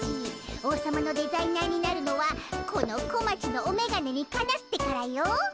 王様のデザイナーになるのはこの小町のおめがねにかなってからよ。